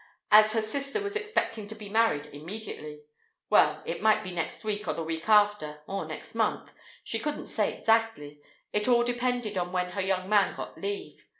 as her sister was expecting to be married immediately—well, it might be next week, or the week after, or next month; she couldn't say exactly; it all depended on when her young man got leave.